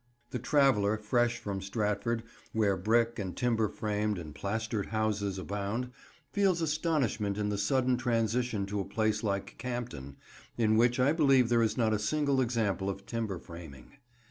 The traveller fresh from Stratford, where brick, and timber framed and plastered houses abound, feels astonishment in the sudden transition to a place like Campden, in which I believe there is not a single example of timber framing.